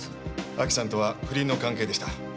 亜紀さんとは不倫の関係でした。